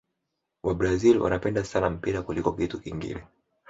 wabrazil wanapenda sana mpira kuliko kitu kingine